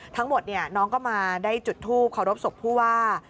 ทั้งหมดเนี่ยน้องก็มาได้จุดทูปขอรบศพผู้ว่า